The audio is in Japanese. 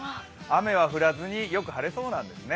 雨は降らずに、よく晴れそうです。